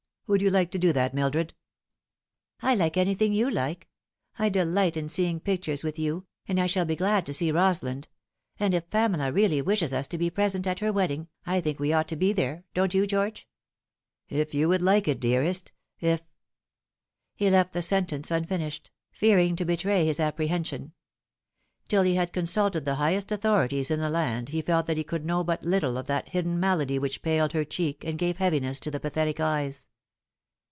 Would you like to do that, Mildred ?"" I like anything you like. I delight in seeing pictures with you, and I shall be glad to see Rosalind ; and if Pamela really wishes us to be present at her wedding, I think we ought to be there, don't you, George ?" "If you would like it, dearest ; if " He left the sentence unfinished, fearing to betray his appre hension. Till he had consulted the highest authorities in the laud he felt that he could know but little of that hidden Marked by Fat&, 343 malady which paled her cheek and gave heaviness to the pathetic eyes.